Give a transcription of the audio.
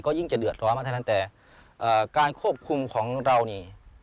ยิ่งจะเดือดร้อนมากเท่านั้นแต่การควบคุมของเรานี่